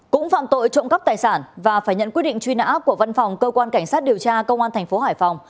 cũng phạm tội trộm cắp tài sản và phải nhận quyết định truy nã của văn phòng cơ quan cảnh sát điều tra công an thành phố hải phòng